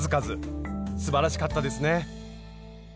すばらしかったですね。